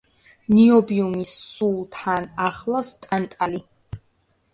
ნიობიუმს სულ თან ახლავს ტანტალი.